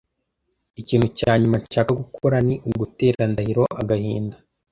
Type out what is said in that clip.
Ikintu cya nyuma nshaka gukora ni ugutera Ndahiro agahinda.